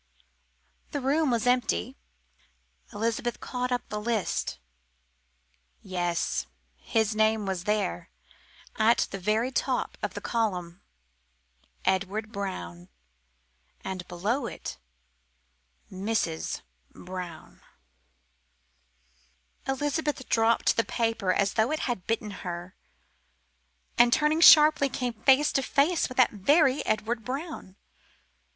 The room was empty. Elizabeth caught up the list. Yes, his name was there, at the very top of the column Edward Brown, and below it "Mrs. Brown " Elizabeth dropped the paper as though it had bitten her, and, turning sharply, came face to face with that very Edward Brown.